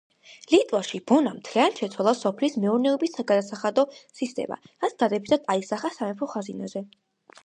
ლიტვაში ბონამ მთლიანად შეცვალა სოფლის მეურნეობის საგადასახადო სისტემა, რაც დადებითად აისახა სამეფო ხაზინაზე.